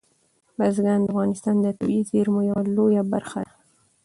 بزګان د افغانستان د طبیعي زیرمو یوه لویه برخه ده.